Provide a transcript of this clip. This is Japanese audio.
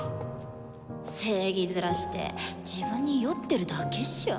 正義ヅラして自分に酔ってるだけっしょ？